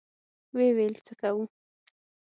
ويې ويل: څه کوو؟